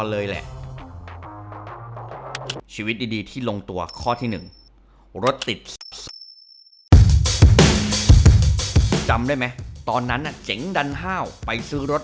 จำได้ไหมตอนนั้นเจ๋งดันห้าวไปซื้อรถ